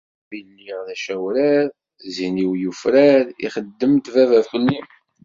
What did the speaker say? Asmi lliɣ d acawrar zzin-iw yufrar, ixeddem-d baba felli.